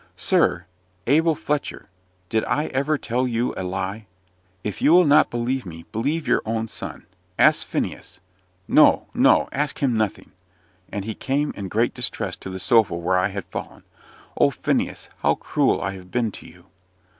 "Sir! Abel Fletcher did I ever tell you a lie? If you will not believe me, believe your own son. Ask Phineas No, no, ask him nothing!" And he came in great distress to the sofa where I had fallen. "Oh, Phineas! how cruel I have been to you!"